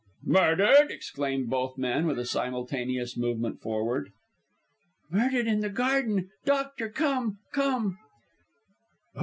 "Murdered!" exclaimed both men, with a simultaneous movement forward. "Murdered, in the garden! Doctor, come! come!"